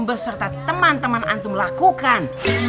berserta teman teman antum lakukan